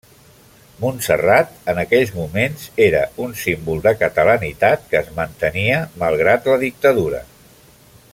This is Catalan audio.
Montserrat, en aquells moments, era un símbol de catalanitat que es mantenia malgrat la dictadura.